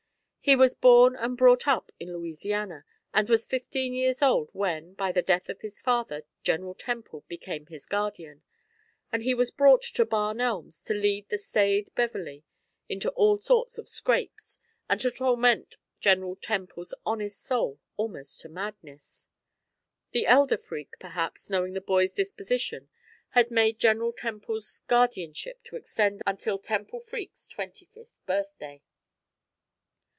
He was born and brought up in Louisiana, and was fifteen years old when, by the death of his father, General Temple became his guardian, and he was brought to Barn Elms to lead the staid Beverley into all sorts of scrapes, and to torment General Temple's honest soul almost to madness. The elder Freke, perhaps, knowing the boy's disposition, had made General Temple's guardianship to extend until Temple Freke's twenty fifth birthday.